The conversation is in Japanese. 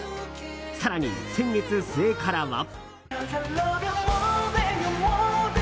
更に、先月末からは。